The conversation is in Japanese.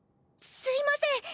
すいません。